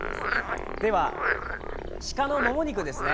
では、鹿のもも肉ですね